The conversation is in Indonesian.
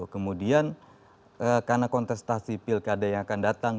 kemudian karena kontestasi pilkada yang akan datang